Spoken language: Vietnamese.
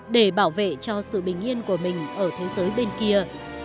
để bảo vệ cho sự bình yên của mình ở thế giới bên kia